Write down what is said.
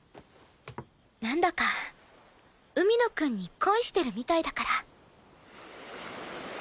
なんだか海野くんに恋してるみたいだから。